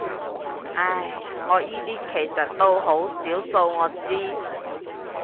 唉，我依啲其實到好少數我知